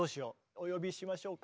お呼びしましょうか。